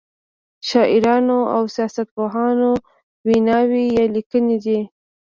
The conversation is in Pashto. شاعرانو او سیاست پوهانو ویناوی یا لیکنې دي.